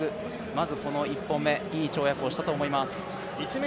まずこの１本目、いい跳躍をしたと思います。